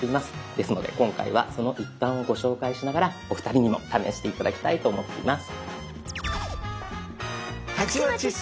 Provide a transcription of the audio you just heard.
ですので今回はその一端をご紹介しながらお二人にも試して頂きたいと思っています。